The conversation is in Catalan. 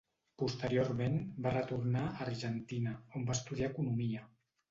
Posteriorment va retornar a Argentina, on va estudiar economia.